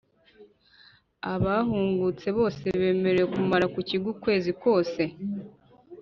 Abahungutse bose bemerewe kumara mu kigo ukwezi kose